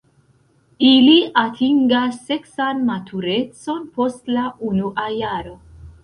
Ili atingas seksan maturecon post la unua jaro.